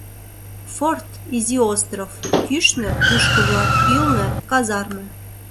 Форт — изи остров: кӱшнӧ — пушко-влак, ӱлнӧ — казарме.